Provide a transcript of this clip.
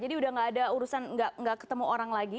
jadi udah nggak ada urusan nggak ketemu orang lagi